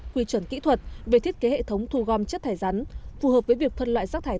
quy chuẩn kỹ thuật về thiết kế hệ thống thu gom chất thải rắn phù hợp với việc phân loại rác thải